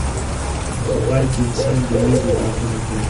په پای کې انسان د مېږو ټاکنه پیل کړه.